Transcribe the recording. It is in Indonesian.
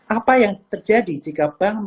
apa yang terjadi jika bank